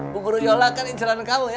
bu guru yola kan inceran kamu ya